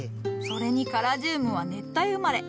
それにカラジウムは熱帯生まれ。